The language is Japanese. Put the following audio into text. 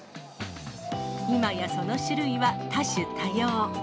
今や、その種類は多種多様。